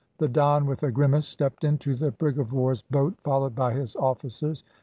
The Don, with a grimace, stepped into the brig of war's boat followed by his officers.